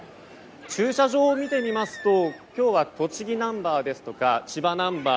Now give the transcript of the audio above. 駐車場を見てみますと今日は栃木県のナンバーですとか千葉ナンバー